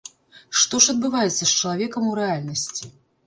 Што ж адбываецца з чалавекам у рэальнасці?